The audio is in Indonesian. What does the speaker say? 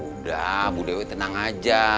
udah bu dewi tenang aja